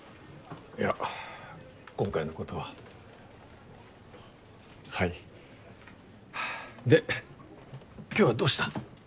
いや今回はいはっで今日はどうした？